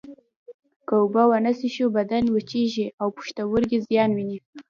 که اوبه ونه څښو بدن وچېږي او پښتورګي زیان ویني